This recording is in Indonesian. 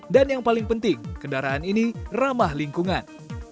dan yang paling penting kendaraan ini ramah lingkungan